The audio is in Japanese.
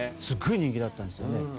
すっごい人気だったんですよね。